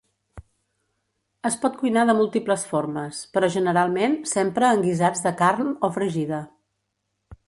Es pot cuinar de múltiples formes, però generalment s'empra en guisats de carn o fregida.